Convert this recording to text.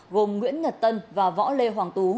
gồm nguyễn ngật tân và võ lê hoàng tú